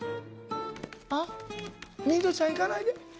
あっミントちゃん行かないで。